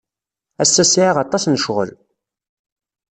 Ass-a sɛiɣ aṭas n ccɣel.